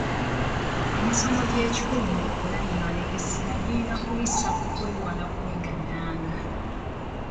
Emisomo gy'ekikulu mu pulayimale essira girina kulissa ku kwewala okwegadanga.